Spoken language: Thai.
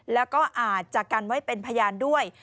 แล้วก็อาจจะกันไว้เป็นพยานด้วย